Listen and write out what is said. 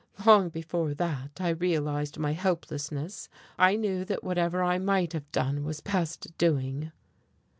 Long before that I realized my helplessness, I knew that whatever I might have done was past doing."